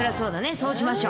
そうしましょう。